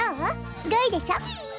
すごいでしょ？キイ！